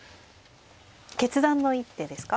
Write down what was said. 決断の一手ですか？